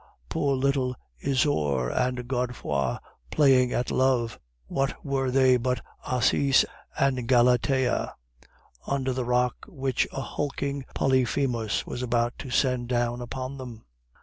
Poor little Isaure and Godefroid playing at love, what were they but Acis and Galatea under the rock which a hulking Polyphemus was about to send down upon them?"